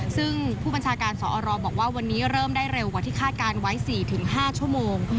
ซึ่งผู้บัญชาการสอรบอกว่าวันนี้เริ่มได้เร็วกว่าที่คาดการณ์ไว้๔๕ชั่วโมง